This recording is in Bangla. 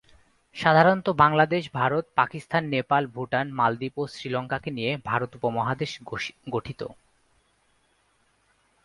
সাধারণতঃ, বাংলাদেশ, ভারত, পাকিস্তান, নেপাল, ভুটান, মালদ্বীপ ও শ্রীলঙ্কাকে নিয়ে ভারত উপমহাদেশ গঠিত।